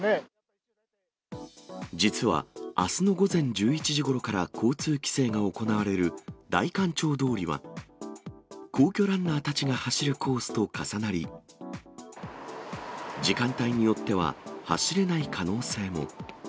実はあすの午前１１時ごろから交通規制が行われる代官町通りは、皇居ランナーたちが走るコースと重なり、時間帯によっては走れない可能性も。